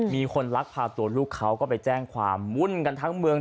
มีคนลักพาตัวลูกเขาก็ไปแจ้งความมุ่นกันทั้งเมือง